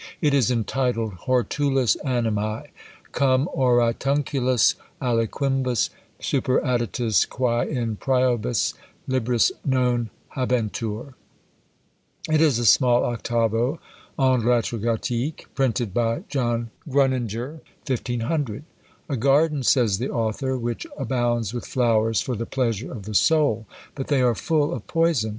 It is entitled Hortulus Animæ, cum Oratiunculis aliquibus superadditis quæ in prioribus Libris non habentur. It is a small octavo en lettres gothiques, printed by John Grunninger, 1500. "A garden," says the author, "which abounds with flowers for the pleasure of the soul;" but they are full of poison.